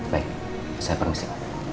baik saya permisi